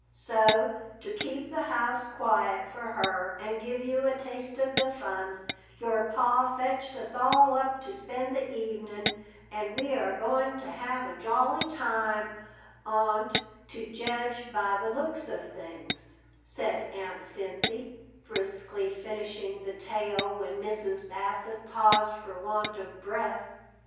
"So, to keep the house quiet for her, and give you a taste of the fun, your Pa fetched us all up to spend the evenin', and we are goin' to have a jolly time on't, to jedge by the looks of things," said Aunt Cinthy, briskly finishing the tale when Mrs. Bassett paused for want of breath.